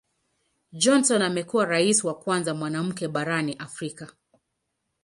Johnson amekuwa Rais wa kwanza mwanamke barani Afrika.